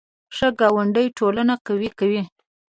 ښه ګاونډي ټولنه قوي کوي